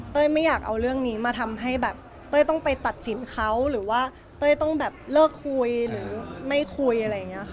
ไม่อยากเอาเรื่องนี้มาทำให้แบบเต้ยต้องไปตัดสินเขาหรือว่าเต้ยต้องแบบเลิกคุยหรือไม่คุยอะไรอย่างนี้ค่ะ